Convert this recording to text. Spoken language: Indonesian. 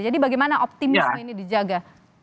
jadi bagaimana optimisme ini dijaga